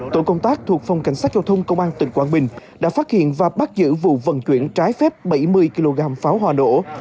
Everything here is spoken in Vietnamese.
tổ công tác thuộc phòng cảnh sát giao thông công an tỉnh quảng bình đã phát hiện và bắt giữ vụ vận chuyển trái phép bảy mươi kg pháo hoa nổ